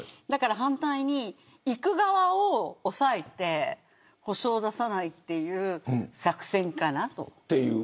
反対に行く側を抑えて補償を出さないという作戦かなと。